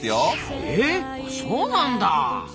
えっそうなんだ！